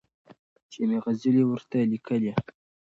چي مي غزلي ورته لیکلې